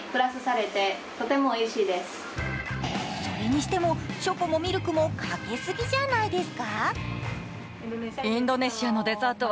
それにしても、チョコもミルクもかけすぎじゃないですか？